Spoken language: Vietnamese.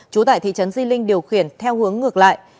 trú tại thị trấn di linh điều khiển theo hướng ngược lại